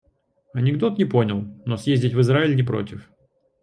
Анекдот не понял, но съездить в Израиль не против